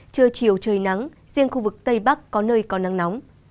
trưa chiều trời nắng riêng khu vực tây bắc có nơi có nắng nóng